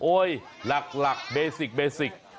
โอ้ยหลักเบสิก